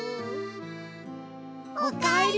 おかえり！